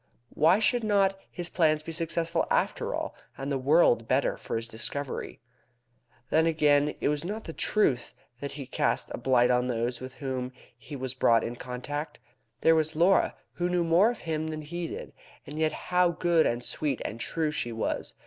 Why should not his plans be successful after all, and the world better for his discovery? Then again, it was not the truth that he cast a blight on those with whom he was brought in contact. There was Laura; who knew more of him than she did, and yet how good and sweet and true she was!